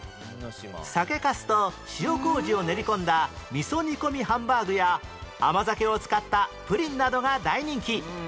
酒粕と塩麹を練り込んだ味噌煮込みハンバーグや甘酒を使ったプリンなどが大人気！